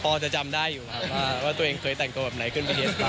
พอจะจำได้อยู่ว่าตัวเองเคยแต่งตัวแบบไหนขึ้นบีเทสบ้าง